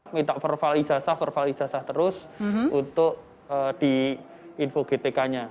minta verval ijazah verval ijazah terus untuk di info gtk nya